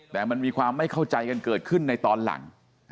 แต่มันมีความไม่เข้าใจกันเกิดขึ้นในตอนหลัง